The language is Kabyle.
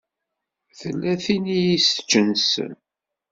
Tella tin i yi-iseččen ssem.